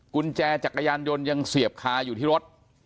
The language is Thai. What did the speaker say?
กุญแจจักรยานยนต์ยังเสียบคาอยู่ที่รถ